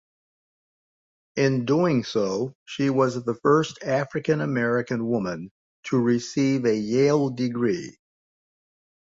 In doing so, she was the first African-American woman to receive a Yale degree.